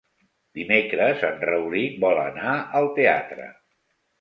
Dimecres en Rauric vol anar al teatre.